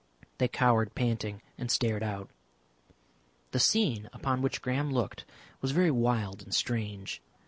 They cowered panting and stared out. The scene upon which Graham looked was very wild and strange.